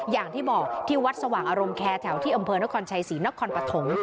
อย่างที่บอกที่วัดสว่างอารมณ์แคร์แถวที่อำเภอนครชัยศรีนครปฐม